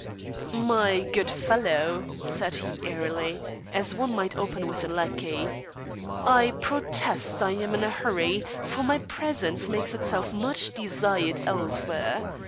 "My good fellow," said he airily, as one might open with a lackey, "I protest I am in a hurry, for my presence makes itself much desired elsewhere.